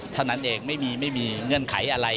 เท่านั้นเองไม่มีเงื่อนไขอะไร